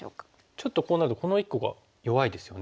ちょっとこうなるとこの１個が弱いですよね。